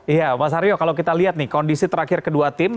iya mas aryo kalau kita lihat nih kondisi terakhir kedua tim